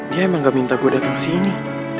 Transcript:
dia emang gak minta gue dateng kesini